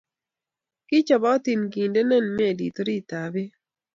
kii chobotin kendenen meli orititab beek